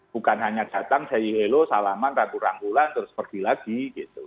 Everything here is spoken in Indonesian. bukan hanya datang sayuhelo salaman ramburan terus pergi lagi gitu